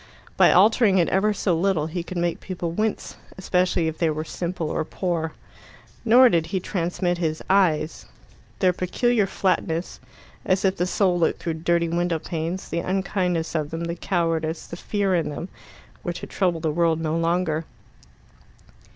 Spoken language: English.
By altering it ever so little he could make people wince, especially if they were simple or poor. Nor did he transmit his eyes. Their peculiar flatness, as if the soul looked through dirty window panes, the unkindness of them, the cowardice, the fear in them, were to trouble the world no longer.